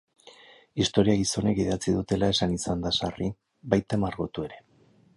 Historia gizonek idatzi dutela esan izan da sarri, baita margotu ere.